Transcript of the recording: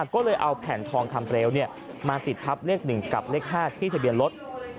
ก็เลยเอาแผ่นทองคำเปลวมาติดทับเลข๑กับเลข๕ที่ทะเบียนรถ